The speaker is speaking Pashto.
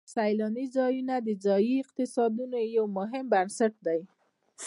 سیلاني ځایونه د ځایي اقتصادونو یو مهم بنسټ دی.